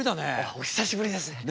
お久しぶりです。